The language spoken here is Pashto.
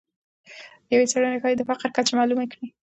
یوه څېړنه ښایي د فقر کچه معلومه کړي.